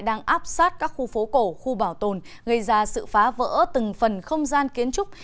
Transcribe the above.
đang áp sát các khu phố cổ khu bảo tồn gây ra sự phá vỡ từng phần không gian kiến trúc